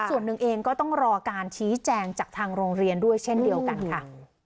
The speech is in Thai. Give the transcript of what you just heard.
ส่วนหนึ่งเองก็ต้องรอการชี้แจงจากทางโรงเรียนด้วยเช่นเดียวกันค่ะ